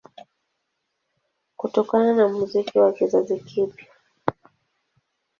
Kutokana na muziki wa kizazi kipya